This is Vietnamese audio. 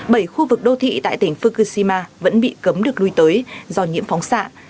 bảy khu vực đô thị tại tỉnh fukushima vẫn bị cấm được lui tới do nhiễm phóng xạ